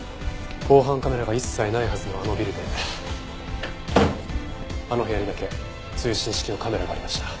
防犯カメラが一切ないはずのあのビルであの部屋にだけ通信式のカメラがありました。